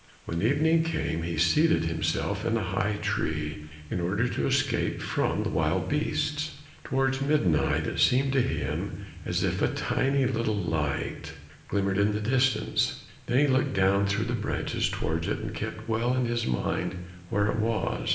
When evening came he seated himself in a high tree in order to escape from the wild beasts. Towards midnight, it seemed to him as if a tiny little light glimmered in the distance. Then he looked down through the branches towards it, and kept well in his mind where it was.